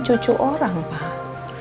cucu orang pak